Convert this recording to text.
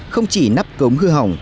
không chỉ nắp cống hư hỏng